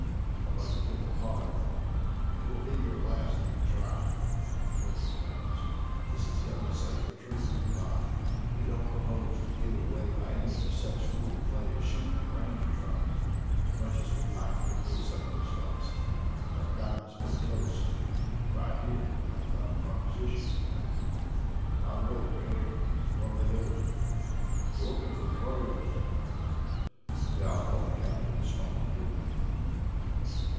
"I'd like to take a pot at them." "It'll be your last if you try it," threatened Jones. "This is the only safe retreat we've got. We don't propose to give it away by any, such fool play as shooting at a Ranger from it, much as we'd like to get rid of some of those fellows. They're crowding us pretty close. And right here, I've got a proposition to make. By the way, Gregg, what are they doing?" "Looking for trails." The outlaw captain smiled grimly.